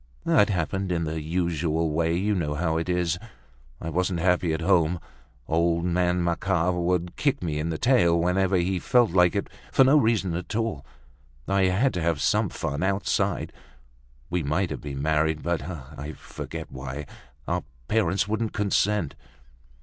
It happened in the usual way, you know how it is. I wasn't happy at home. Old man Macquart would kick me in the tail whenever he felt like it, for no reason at all. I had to have some fun outside. We might have been married, but—I forget why—our parents wouldn't consent."